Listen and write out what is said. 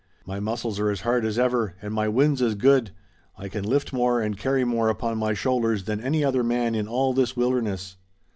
My muscles are as hard as ever, and my wind's as good. I can lift more and carry more upon my shoulders than any other man in all this wilderness."